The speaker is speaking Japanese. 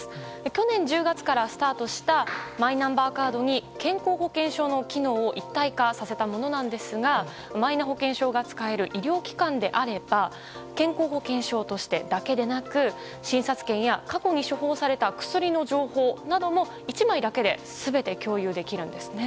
去年１０月からスタートしたマイナンバーカードに健康保険証の機能を一体化させたものですがマイナ保険証が使える医療機関であれば健康保険証としてだけでなく診察券や過去に処方された薬の情報なども１枚だけで全て共有できるんですね。